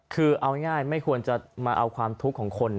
คือเอาง่ายไม่ควรจะมาเอาความทุกข์ของคน